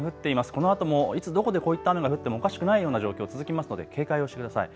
このあともいつどこで、こういった雨が降ってもおかしくないような状況続きますので警戒をしてください。